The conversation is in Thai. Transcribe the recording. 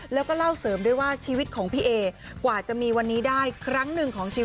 แล้วก็เล่าเสริมด้วยว่าชีวิตของพี่เอ๋กว่าจะมีวันนี้ได้